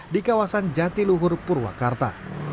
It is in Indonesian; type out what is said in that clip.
di kawasan jatiluhur purwakarta